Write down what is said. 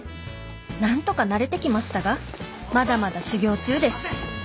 なんとか慣れてきましたがまだまだ修業中です